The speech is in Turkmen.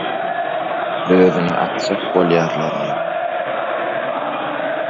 Özüni atjak bolýarlarmy?